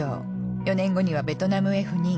４年後にはベトナムへ赴任。